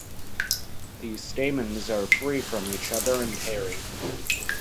The stamens are free from each other and hairy.